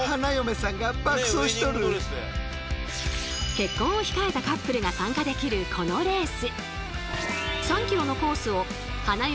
結婚を控えたカップルが参加できるこのレース。